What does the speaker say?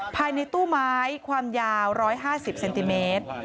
ภายในตู้ไม้ความยาว๑๕๐เซนติเมตร